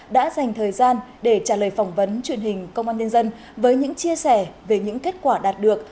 đã dành thời gian để trả lời phỏng vấn truyền hình công an nhân dân với những chia sẻ về những kết quả đạt được